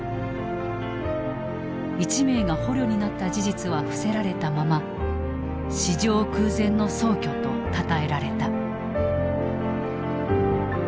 １名が捕虜になった事実は伏せられたまま史上空前の壮挙とたたえられた。